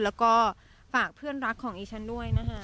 แล้วก็ฝากเพื่อนรักของดิฉันด้วยนะคะ